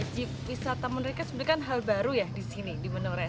jeep wisata menoreh ini sebenarnya hal baru ya di sini di menoreh